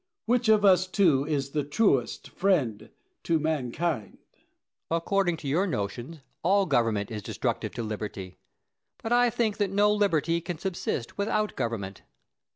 Which of us two is the truest friend to mankind? Plato. According to your notions all government is destructive to liberty; but I think that no liberty can subsist without government.